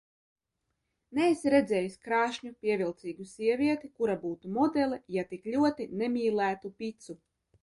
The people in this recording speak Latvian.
Neesi redzējis krāšņu, pievilcīgu sievieti, kura būtu modele, ja tik ļoti nemīlētu picu?